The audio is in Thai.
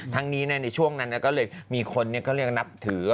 นี้ในช่วงนั้นก็เลยมีคนก็เรียกนับถือ